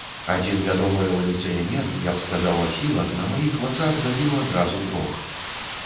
Адзін вядомы рэвалюцыянер, я б сказаў асілак, на маіх вачах забіў адразу трох.